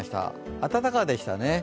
暖かでしたね。